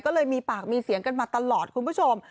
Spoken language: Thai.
ก็เลยมีปากมีเสียงกันมาตลอดคุณผู้ชม